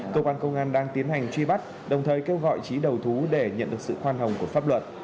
cơ quan công an đang tiến hành truy bắt đồng thời kêu gọi trí đầu thú để nhận được sự khoan hồng của pháp luật